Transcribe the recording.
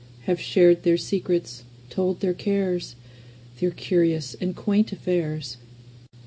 Have shared their secrets, told their cares, Their curious and quaint affairs!